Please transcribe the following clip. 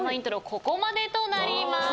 ここまでとなります。